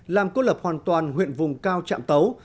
làm cô lập hoàn toàn huyện vùng cao trạm tấu